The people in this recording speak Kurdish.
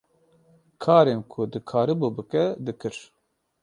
Karên ku dikarîbû bike, dikir.